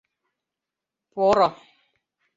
Поро.